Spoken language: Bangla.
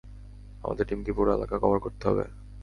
আমাদের টিমকে পুরো এলাকা কভার করতে হবে।